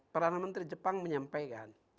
peran menteri jepang menyampaikan